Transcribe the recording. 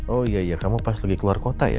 oh ya kamu pas lagi keluar kota ya